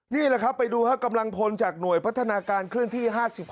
นี่แหละครับไปดูกำลังพลจากหน่วยพัฒนาการเคลื่อนที่๕๖